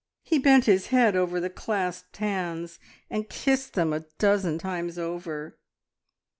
He bent his head over the clasped hands, and kissed them a dozen times over.